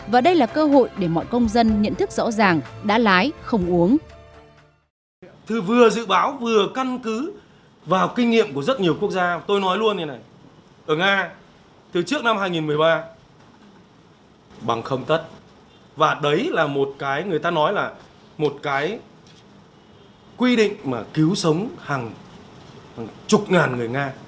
và đây là cơ hội để mọi công dân nhận thức rõ ràng đã lái không uống